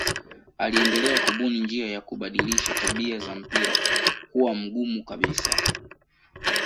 Aliendelea kubuni njia ya kubadilisha tabia za mpira kuwa mgumu kabisa.